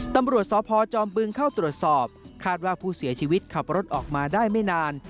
ตำรวจสพจอมบึงเข้าตรวจสอบคาดว่าผู้เสียชีวิตขับรถออกมาได้ไม่นาน